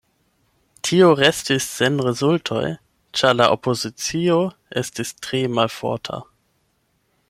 Tio restis sen rezultoj, ĉar la opozicio estis tre malforta.